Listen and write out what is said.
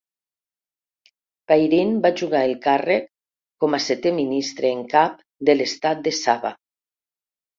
Pairin va jurar el càrrec com a setè ministre en cap de l'estat de Sabah.